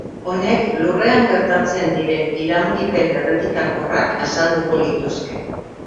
Honek Lurrean gertatzen diren iraungipen errepikakorrak azalduko lituzke.